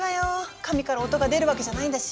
紙から音が出るわけじゃないんだし。